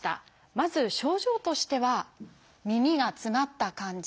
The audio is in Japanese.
まず症状としては耳が詰まった感じ